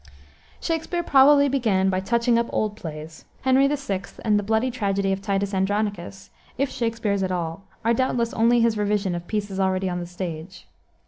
Shakspere probably began by touching up old plays. Henry VI. and the bloody tragedy of Titus Andronicus, if Shakspere's at all, are doubtless only his revision of pieces already on the stage.